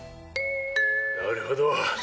なるほど。